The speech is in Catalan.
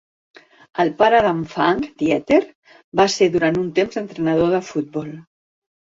El pare d'Anfang, Dieter, Va ser durant un temps entrenador de futbol.